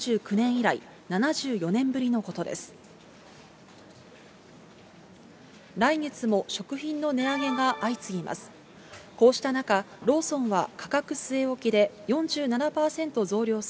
来月も食品の値上げが相次ぎます。